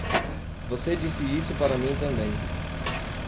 Você disse isso para mim também.